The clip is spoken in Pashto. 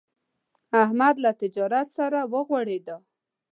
احمد له تجارت سره وغوړېدا.